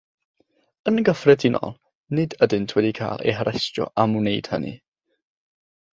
Yn gyffredinol, nid ydynt wedi cael eu harestio am wneud hynny.